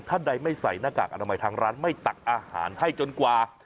ท่านใดไม่ใส่หน้ากากอนามัยทางร้านไม่ตักอาหารให้จนกว่า